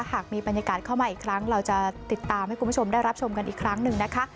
หากมีบรรยากาศเข้ามาอีกครั้งเราจะติดตามให้คุณผู้ชมได้รับชมกันอีกครั้งหนึ่งนะคะ